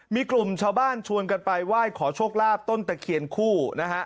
มีกลุ่มชาวบ้านชวนกันไปไหว้ขอโชคลาภต้นตะเคียนคู่นะฮะ